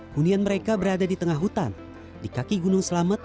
hunian mereka berada di tengah hutan di kaki gunung selamet